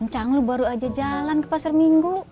cang lu baru aja jalan ke pasar minggu